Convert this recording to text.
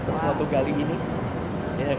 terus waktu gali ini